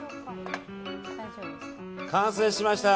完成しました！